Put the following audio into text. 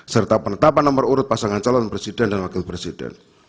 serta penetapan nomor urut pasangan calon presiden dan wakil presiden